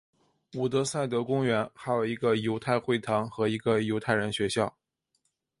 伍德塞德公园还有一个犹太会堂和一个犹太人学校。